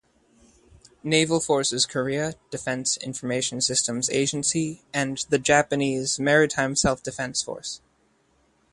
Naval Forces Korea, Defense Information Systems Agency and the Japanese Maritime Self Defense Force.